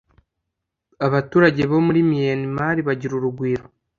abaturage bo muri miyanimari bagira urugwiro